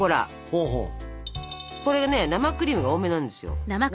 これね生クリームが多めなんですよ。